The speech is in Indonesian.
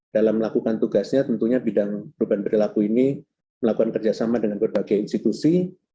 dalam melakukan tugasnya tentunya bidang perubahan perilaku ini melakukan kerjasama dengan berbagai institusi